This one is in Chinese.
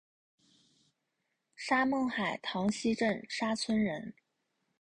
沙孟海塘溪镇沙村人。